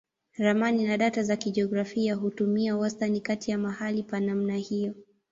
Ramani na data za kijiografia hutumia wastani kati ya mahali pa namna hiyo.